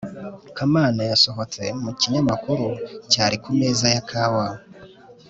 kamana yasohotse mu kinyamakuru cyari ku meza ya kawa